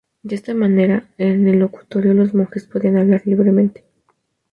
De esta manera, en el locutorio, los monjes podían hablar libremente.